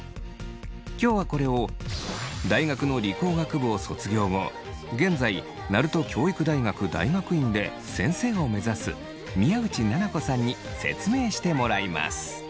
今日はこれを大学の理工学部を卒業後現在鳴門教育大学大学院で先生を目指す宮内菜々子さんに説明してもらいます。